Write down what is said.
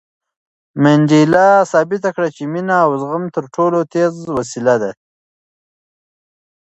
منډېلا ثابته کړه چې مینه او زغم تر ټولو تېزه وسله ده.